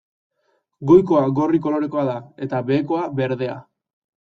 Goikoa gorri kolorekoa da, eta behekoa berdea.